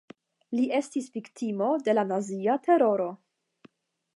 Li estis viktimo de la nazia teroro.